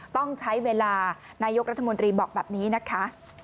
ต้องใช้เวลานายกรัฐมนตรีบอกแบบนี้นะคะ